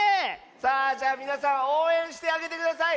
さあじゃあみなさんおうえんしてあげてください！